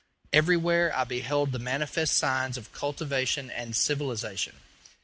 Everywhere I beheld the manifest signs of cultivation and civilization.